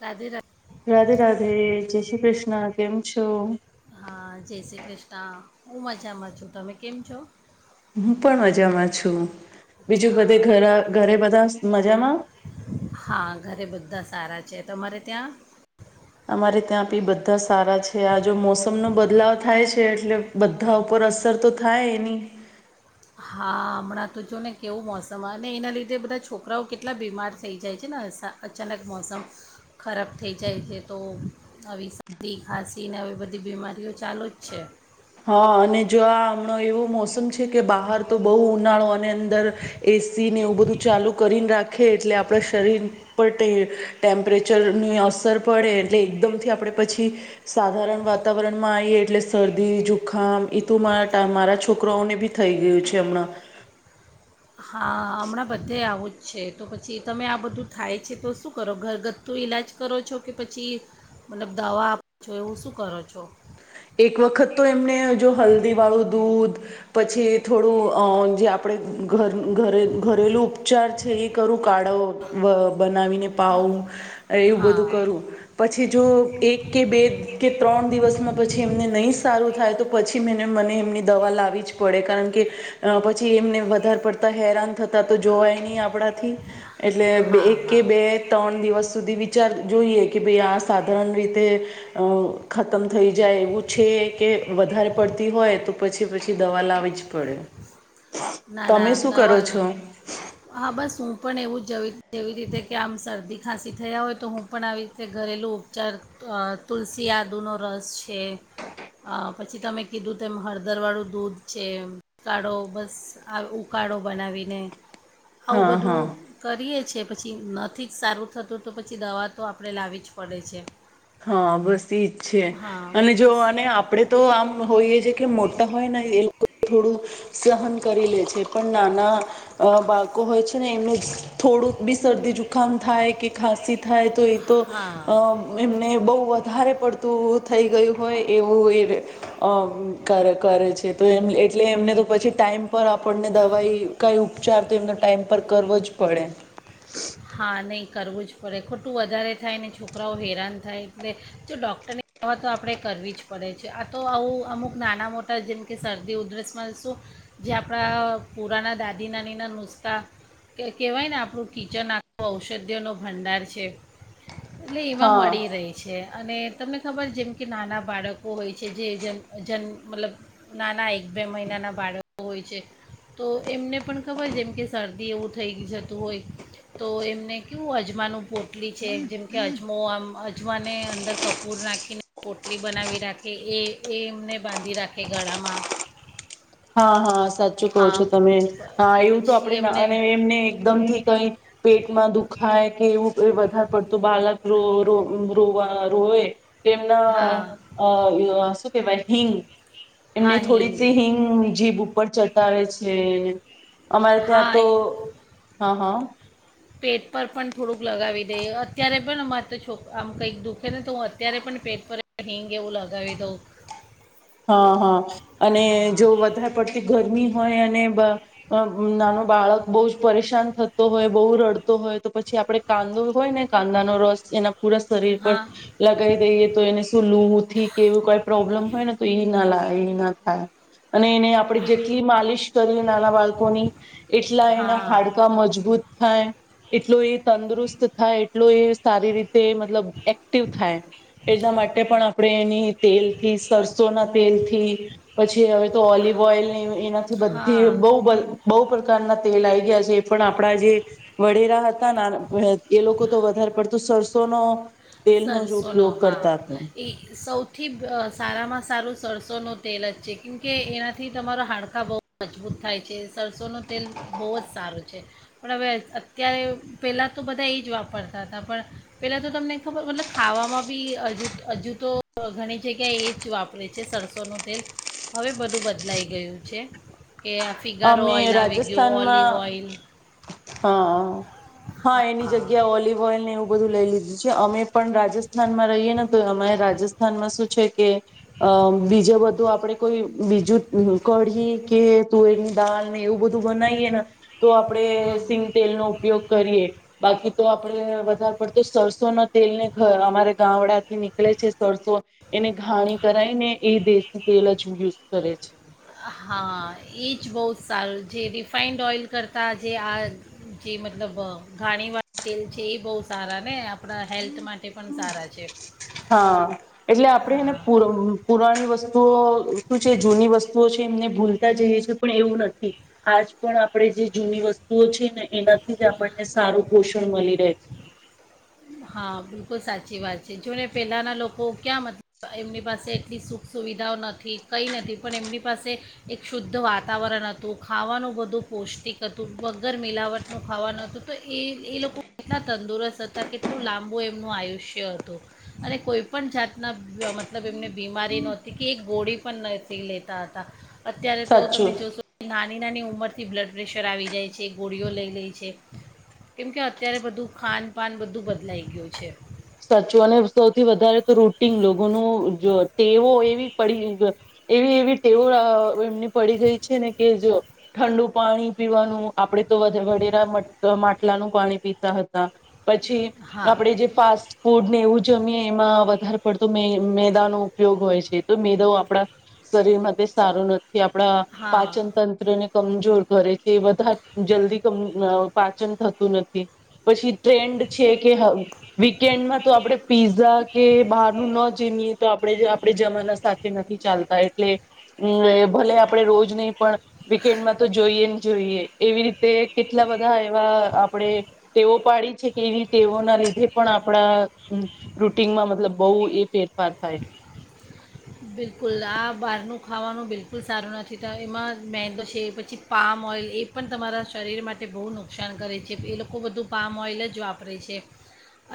રાધે રાધે. રાધે રાધે જય શ્રી કૃષ્ણ, કેમ છો? હા જય શ્રી કૃષ્ણ, હું મજામાં છું, તમે કેમ છો? હું પણ મજામાં છું. બીજું બધે ઘરા ઘરે બધા મજામાં? હા ઘરે બધા સારા છે. તમારે ત્યાં? અમારે ત્યાં બી બધા સારા છે, આ જો મોસમનો બદલાવ થાય છે, એટલે બધા ઉપર અસર તો થાય એની. હા હમણાં તો જો ને કેવું મોસમ અને એના લીધે બધા છોકરાઓ કેટલા બીમાર થઈ જાય છે ના અચાનક મોસમ ખરાબ થઈ જાય છે, તો આવી શદી ખાંસીને આવી બધી બીમારીઓ ચાલુ જ છે. હા અને જો આ હમણો એવું મોસમ છે કે બહાર તો બહુ ઉનાળો અને અંદર એસી ને એવું બધું ચાલુ કરીને રાખે એટલે આપણા શરીર પર ટે ટેમ્પરેચરની અસર પડે એટલે એકદમથી આપણે પછી સાધારણ વાતાવરણમાં આઈએ એટલે શરદ દી, જુખામ એ તો મારાટા મારા છોકરાઓને બી થઈ ગયું છે હમણાં. હા હમણાં બધે આવું જ છે તો પછી તમે આ બધું થાય છે, તો શું કરો ઘરગથ્થું ઈલાજ કરો છો, કે પછી મતલબ દવા આપો છો, એવું શું કરો છો? એક વખત તો એમને જો હલ્દીવાળું દૂધ પછી થોડું અહ જે આપડે ઘર ઘરે ઘરેલુ ઉપચાર છ ઈ કરું. કાળાઓ વ બનાવીને પાઉ એવું બધું હા કરું, પછી જો એક કે બે કે ત્રણ દિવસમાં પછી એમને નહી સારું થાય તો પછી મેને મને એમને દવા લાવી જ પડે, કારણ કે અહ પછી એમને વધારે પડતા હેરાન થતા તો જોવાય નહી આપણાથી. એટલે બે હા એક કે હા બે ત્રણ દિવસ સુધીની વિચાર જોઈએ કે ભઈ આ સાધારણ રીતે અહ ખતમ થઈ જાય એવું છે કે વધારે પડતી હોય તો પછી-પછી દવા લાવી જ પડે. ના, ના તમે શું દવા કરો છો હા બસ હું પણ એવું જ જેવી રીતે કે આમ શરદી ખાંસી થયા હોય તો હું પણ આવી રીતે ઘરેલું ઉપચાર અહ તુલસી, આદુનો રસ છે, અહ પછી તમે કીધું તેમ હળદરવાળું દૂધ છે, કાળો બસ હા ઉકાળો બનાવીને આવું હા હા બધું કરીએ છે. પછી નથી જ સારું થતું તો પછી દવા તો આપણે લાવી જ પડે છે. હા બસ ઈ જ છે હા અને જો બસ અને આપડે તો આમ હોઈએ જ કે મોટા હોય ને એ લોકો થોડું સહન કરી લે છે પણ નાના અ બાળકો હોય છે ને એમનું થોડું બી શરદી જુખામ થાય કે ખાસી થાય તો એ તો હા અ ને બહુ વધારે પડતું થઈ ગયું હોય એવું એ અ કરે છે તો એ એટલે એમને તો પછી ટાઈમ પર આપણને દવાઈ કાંઈ ઉપચાર તો એમનો ટાઈમ કર કરવો જ પડે. હા નહીં કરવું જ પડે. ખોટું વધારે થાયને છોકરાઓ હેરાન થાય એટલે જો ડૉક્ટરની દવા તો આપણે કરવી જ પડે છે. આ તો આવું અમુક નાના મોટા જેમ કે શરદી ઉધરસમાં શું જે આપણા પુરાના દાદી નાનીના નુસ્તા કહેવાય ને આપણું કિચન આ ઔષધીનો ભંડાર છે. એટલે એમાં હા મળી રહી છે અને તમને ખબર જેમ કે નાના બાળકો હોય છે જે જન જન્ મતલબ નાના એક બે મહિનાના બાળકો હોય છે તો એમને પણ ખબર જેમ કે શરદી એવું થઈ જતું હોય તો એમને કવું અજમાનું પોટલી છે જેમ કે અજમો આમ અજમાને અંદર કપૂર નાખીને પોટલી બનાવી રાખે એ એ એમને બાંધી રાખે ગળામાં. હા હા સાચું કહો છો હા તમે. પ- હા એવું તો પછી આપડણે એમને અને એમને એકદમથી કઈ પેટમાં દુખાય કે એવું વધારે પડતું બાળક રો રો રોવા રોએ કે એમના હા અ શું કેહેવાય હિંગ એમની થોડી સી હિંગ જીભ ઉપર ચટાવે છે. અમારે હા ત્યાં તો એ- હા હા. પેટ પર પણ થોડુંક લગાવી દઈ અત્યારે પણ અમારે તો છોક આમ કંઈક દુઃખે ને તો હું અત્યારે પણ પેટ પર હિંગ એવું લગાવી દઉં. હા હા અને હા જો વધારે પડતી ગરમી હોય ને અ અ નાનો બાળક બહુ જ પરેશાન થતો હોય બહુ રડતો હોય તો પછી આપડે કાંદો હોય ને કાંદાનો રસ એના પૂરા શરીર પર હા લગાવી દઈએ. તો એને શું લુવથી કેવું કોઈ પ્રોબ્લેમ હોય ને એ ના લા એઈ ના થાય. અને એને આપણે જેટલી માલિશ કરીએ નાના બાળકોની એટલા એના હા હાડકા મજબૂત થાય એટલું એ તંદુરસ્ત થાય એટલો એ સારી રીતે મતલબ એક્ટિવ થાય એટલા માટે પણ આપણે એની તેલથી સર તેલથી પછી હવે ઓલિવ ઓઈલ એનાથી બધી હા બવ બવ બ કારના તેલ આઈ ગયા છે એ પણ આપણા જે વડેરા હતા [unintelligible] એ લોકો તો વધારે પડતું સરસોનો તેલનો જ સરસોનો ઉપયોગ હા કરતા હતા એ સૌથી અ સારામાં સારું સરસોનું તેલ જ છે કેમકે એનાથી તમારા હાડકા બહુ મજબૂત થાય છે સરસોનું તેલ બહુ જ સારું છે. પણ હવે અત્યારે પહેલાં તો બધા એ જ વાપરતા હતા પણ પહેલાં તો તમને ખબર મતલબ ખાવામાં બી હજુ હજુ તો ઘણી જગ્યાએ એ જ વાપરે છે સરસોનું તેલ હવે બધું બદલાઈ ગયું છે. કે આ ફિગારો અમે ઓઇલ આવી ગયું ઓલિવ ઓઇલ રાજસ્થાનમાં હા હા એની જગ્યા ઓલિવ ઓઇલ ને એવું બધું લઈ લીધું છે. અમે પણ રાજસ્થાનમાં રહીએ ને તો અમારે રાજસ્થાનમાં શું છે કે અ બીજું બધું આપણે કોઈ બીજું કઢી કે તુવેરની દાળ ને એવું બધું બનાવીએ ને તો આપણે હમ સિંગ તેલ નો ઉપયોગ કરીએ. બાકી તો આપડણે વધારે પડતો સરસો ના તેલ ને અમારા ગામડા થી નીકળે છે સરસો એને ઘાણી કરાઈને એ દેશી તેલ હજુ યુઝ કરે છે. હા એ જ બહુ જ સારું જે રિફાાઈન્ડ ઓઇલ કરતાં જે આ જે મતલબ ઘાણીવાળા તેલ છે એ બહુ સારા ને આપણા હેલ્થ માટે પણ સારા છે. હા એટલે આપણેને હા પુ પુરાણી વસ્તુ. વુ શું છે જૂની વસ્તુઓ છે એમને ભૂલતા જઈએ છીએ પણ એવું નથી આજ પણ આપણે જે જૂની વસ્તુઓ છે ને એનાથી જ આપણને સારું પોષણ મળી રહે છે. હમ. હા બિલકુલ સાચી વાત છે જો ને પહેલાંના લોકો ક્યાં મતલબ એમની પાસે એટલી સુખ સુવિધાઓ નથી કંઈ નથી પણ એમની પાસે એક શુદ્ધ વાતાવરણ હતું ખાવાનું બધું પૌષ્ટિક હતું વગર મિલાવટનું ખાવાનું હતું તો એ એ લોકો એટલા તંદુરસ્ત હતા કે એટલું લાંબુ એમનું આયુષ્ય હતું અને કોઈ પણ જાતના મતલબ એમને બીમારી નહોતી કે એક ગોળી પણ નથી લેતા હતા અત્યારે તો તમે સાચું જોશો ના. નાની નાની ઉંમરથી બ્લડ પ્રેશર આવી જાય છે, ગોળીઓ લઈ લે છે કેમ કે અત્યારે બધું ખાનપાન બધું બદ લઈ ગયું છે. સાચો અને સૌથી વધારે તો રૂટીન લોકોનું જો ટેવો એવી પડી એવી એવી ટેવો એમની પડી ગઈ છે ને કે જો ઠંડુ પાણી પીવાનું આપડે તો વડેરા માટલાનું પાણી પીતા હતા પછી હા આપણેે જે ફાસ્ટ ફૂડ ને એવું જમીએ એમાં વધારે પડતું મે મેદા નો ઉપયોગ હોય છે તો મેદાઓ આપણા શરીર માટે સારું નથી થી આપણા પાચન હા તંત્રને કમજોર કરે છે એ બધા જલ્દી પાચન થતું નથી પછી ટ્રેન્ડ છે કે હ વિ કેન્ડમાં તો આપડણે પીઝા કે બહાર નું ન જીમએ તો આ આપણે આપણેે જમાના સાથે નથી ચાલતા એટલે અમ ભલે આપણે રોજ નહી પણ વીકેન્ડમાં તો જોઈએ ને જોઈએ. એવી રીતે કેટલા બધા એવા આપણેે ટેવો પાડી છે કે એવી ટેવો ના લીધે. પણ આપણા રૂટીનમાં મતલબ બહુ એ ફેરફાર થાય છે. બિલકુલ આ બહારનું ખાવાનું બિલકુલ સારું નથી એમાં મેંદો છે પછી પામ ઓઇલ એ પણ તમારા શરીર માટે બહુ નુકસાન કરે છે એ લોકો બધું પામ ઓઇલ જ વાપરે છે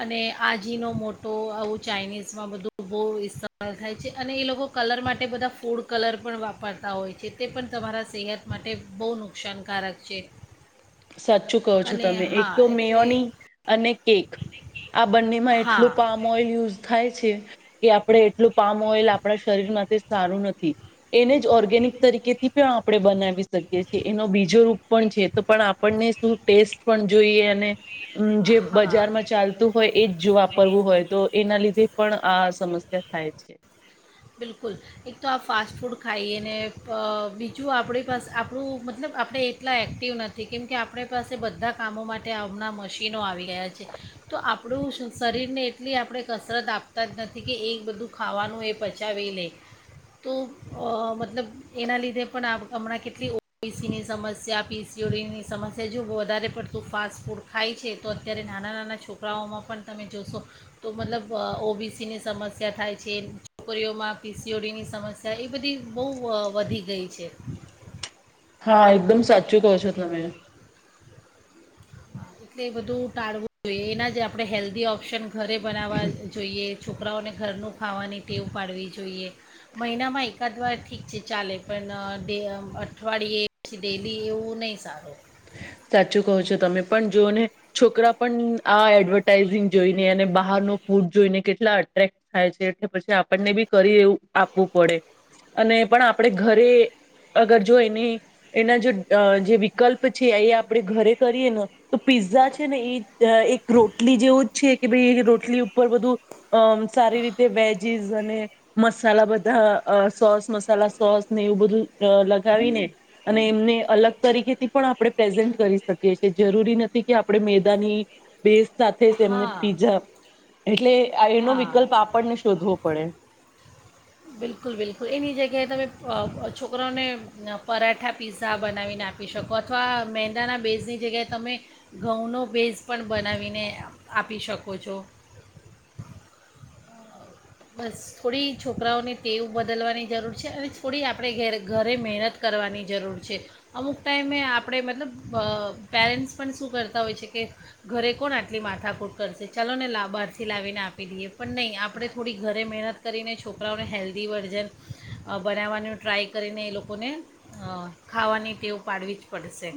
અને આજીનો મોટો આવું ચાઇનીઝમાં બધું બહુ ઇસ્તેવાલ થાય છે. અને એ લોકો કલર માટે બધા ફૂડ કલર પણ વાપરતા હોય છે તે પણ તમારા સેહત માટે બહુ નુકસાનકારક છે. સાચું કહો છો અને તમે એક હા તો એટલે મેયોની અને કેક આ બંનેમાં એટલું હા પામ ઓઈલ યુઝ થાય છે કે આપડણે એટલું પામ ઓઇલ આપણા શરીર માંટે સારું નથી એને જ ઓર્ગેનિક તરીકે થી પણ આપ આપણે બનાવી શકીએ છીએ એનો બીજો રૂપ પણ છે તો પણ આપણને શું ટેસ્ટ પણ જોઈએ અને. મ જે હા બજારમાં ચાલતું હોય એજ જો વાપરવું હોય તો એના લીધે પણ આ સમસ્યા થાય છે બિલકુલ એક તો આ ફાસ્ટ ફૂડ ખાઈએ ને બીજું આપણી પાસે આપણું મતલબ આપણે એટલા એક્ટિવ નથી કેમકે આપણી પાસે બધા કામો માટે હમણાં મશીનો આવી ગયા છે તો આપ આપણું શરીરને એટલી આપણે કસરત આપતા જ નથી કે એ બધું ખાવાનું એ પછ ચાવી લે તો મતલબ એના લીધે પણ હમણાં કેટલી ઓબીસીની સમસ્યા પીસીઓડીની સમસ્યા જો વધારે પડતું ફાસ્ટ ફૂડ ખાય છે તો અત્યારે નાના નાના છોકરાઓમાં પણ તમે જોશો તો મતલબ ઓબીસીની સમસ્યા થાય છે. છોકરીઓમાં પીસીઓડીની સમસ્યા એ બધી બહુ વધી ગઈ છે. હા એકદમ સાચું કહો છો તમે. એટલે એ બધું ટાળવું જોઈએ એના જ આપડણે હેલ્ધી ઓપ્શન. ઘરે બનાવવા જોઈએ. છોકરાઓને ઘરનું ખાવાની ટેવ પાડવી જોઈએ મહિનામાં એકાદ વાર ઠીક છે ચાલે પણ ડે અઠવાડિયે પછી ડેલી એવું નહીં સારું. સાચું કહો છો તમે પણ જોઓને છોકરા પણ આ એડવર્ટાઈઝિંગ જોઈને અને બહાર ન ફૂડ જોઈને કેટલા અટ્રેક્ટ થાય છે એટલે પછી આપણને બી કરી એવું આપવું પડે અને પણ આપડ ઘરે અગર જો એની એના જો જે વિકલ્પ છે એ. આપણે ઘરે કરીએ ને તો પીઝા છે ને એ એક રોટલી જેવું જ છે કે ભાઈ એ રોટલી ઉપર બધું અ સારી રીતે વેજીસ અને મસાલા બધા સોસ મસાલા સોસ ને એવું બધું અ લગાવીને અને એમને અલગ તરીકેથી પણ આપણે પ્રેઝન્ટ. કરી શકીએ જરૂરી નથી કે આપણે મેદાની બેસ. સાથે જ એમને હા પીઝા. એટલે એનો હા વિકલ્પ આપણને શોધવો પડે. બિલકુલ બિલકુલ એની જગ્યાએ તમે છોકરાઓને પરાઠા પીઝા બનાવીને આપી શકો અથવા મેંદાના બેઝની જગ્યાએ તમે ઘઉંનો બેઝ પણ બનાવીને આપી શકો છો. બસ થોડી છોકરાઓને ટેવ બદલવાની જરૂર છે, અને થોડી આપણે ઘ ઘરે મહેનત કરવાની જરૂર છે, અમુક ટાઈમે આપણે મતલબ પેરેન્ટ્સ પણ શું કરતા હોય છે, કે ઘરે કોણ આટલી માથાકૂટ કરશે ચાલો નેા બહારથી લાવીને આપી દઈએ. પણ નહીં આપણે મહેનત કરીને છોકરાઓને હેલ્ધી વર્ઝન બનાવવાનું ટ્રાય કરીને એ લોકોને ખાવાની ટેવ પાડવી જ પડશે.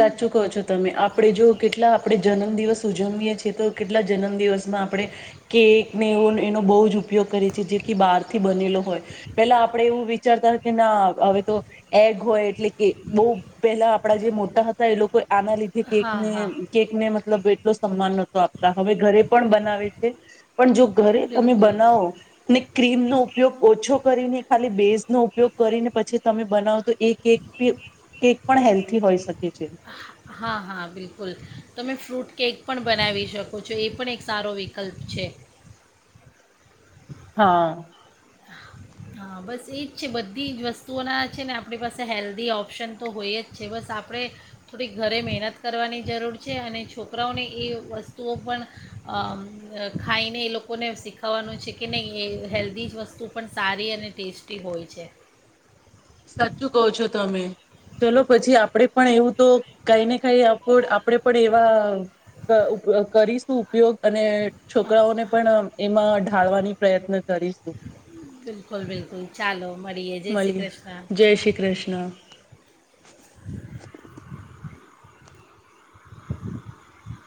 સાચું કહો છો તમે આપડે જો કેટલા આપડે જન્મદિવસ ઉજવીએ છએ તો કેટલા જન્મ દિવસ. માં આપણે કે ને એવો એનો બહુ જ ઉપયોગ કરે છે, જે બહાર થી બનેલો હોય પેલા આપણેે એવું વિચારતા કે ના હવે તો એગ હોય એટલે કે બહુ પેલા આપડા જે મો હતા એ લોકો આના લીધે હા કેકને હા કેકને મતલબ એટલો સન્માન નહોતો આપ હવે ઘરે પણ બનાવે છે, પણ જો ઘરે તમે બિલકુલ બનાવો ને ક્રીમ નો ઉપયોગ ઓછો કરીને ખાલી બેઝ નો ઉપયોગ કરીને પછી તમે બનાવો તો એ કેક કેક પણ હેલ્થી હોય શકે. છે હા હા બિલકુલ તમે ફ્રૂટ કેક પણ બનાવી શકો છો એ પણ એક સારો વિકલ્પ છે. હા હા બસ એ જ છે, બધી જ વસ્તુઓના છે, ને આપણી પાસે હેલ્ધી ઓપ્શન તો હોય જ છે, બસ આપણે થોડીક ઘરે મહેનત કરવાની જરૂર છે, અને છોકરાઓને એ વસ્તુઓ પણ અ ખાઈને એ લોકોને શીખવવાનું છે, કે નહીં એ હેલ્ધી જ વસ્તુ પણ સારી અને ટેસ્ટી હોય છે. સાચું કહો છો તમે ચલો પછી આપણેે પણ એવું તો કઈ ને કઈ આપણેે પણ એવા ક ઉ કરીશું ઉપયોગ અને છોકરાઓને પણ એમાં ઢાળવાની પ્રયત્ન કરીશું. બિલકુલ બિલકુલ ચાલો મળરીએ જય શ્રી મળીએ કૃષ્ણ. જય શ્રી કૃષ્ણ [inaudible]